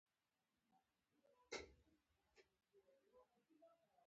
ما تبه لرله او له سخت ذهني فشار سره مخ وم